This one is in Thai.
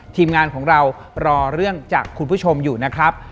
ทีมงานของเรารอเรื่องจากคุณผู้ชมอยู่นะครับ